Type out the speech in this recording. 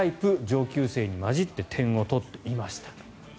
上級生に交じって点を取っていました。